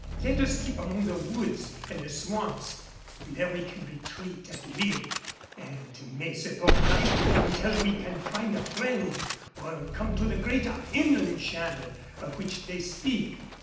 Let us keep among the woods and the swamps. There we can retreat at will, and may support life until we can find a friend, or come to the great inland channel of which they speak.